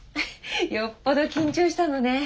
よっぽど緊張したのね。